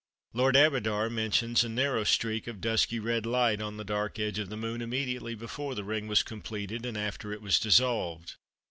Lord Aberdour mentions a narrow streak of dusky red light on the dark edge of the Moon immediately before the ring was completed, and after it was dissolved.